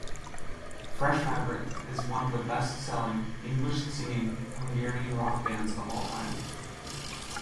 FreshFabrik is one of the best-selling English-singing Hungarian rock bands of all time.